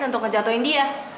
untuk ngejatohin dia